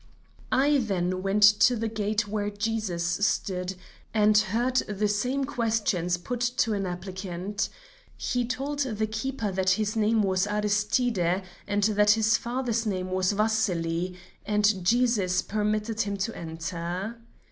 "I then went to the gate where Jesus stood, and heard the same questions put to an applicant. He told the keeper that his name was Aristide, and that his father's name was Vassili, and Jesus permitted him to enter.